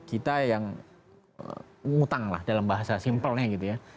kita yang ngutang lah dalam bahasa simpelnya gitu ya